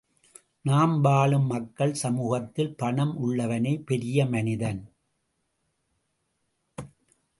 நாம் வாழும் மக்கள் சமூகத்தில் பணம் உள்ளவனே பெரிய மனிதன்.